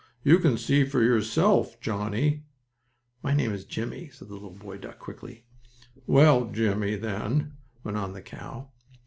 You can see for yourself, Johnnie " "My name is Jimmie," said the little boy duck quickly. "Well, Jimmie, then," went on the cow.